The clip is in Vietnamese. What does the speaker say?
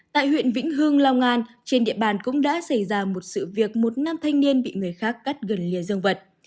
tại huyện vĩnh hương long an trên địa bàn cũng đã xảy ra một sự việc một nam thanh niên bị người khác cắt gần lìa dương vật